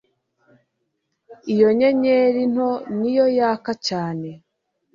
Iyo nyenyeri nto niyo yaka cyane